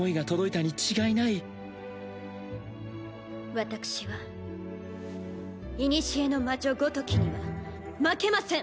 私は古の魔女ごときには負けません。